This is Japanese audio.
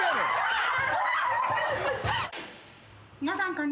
皆さん。